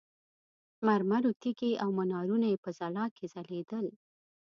مرمرو تیږې او منارونه یې په ځلا کې ځلېدل.